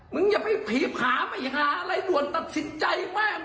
มึงอย่าไปผีผามค่ะอะไรรวดตัดสินใจแม่ง